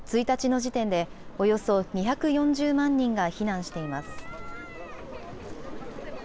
１日の時点でおよそ２４０万人が避難しています。